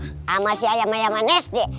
sama si ayam ayam manes deh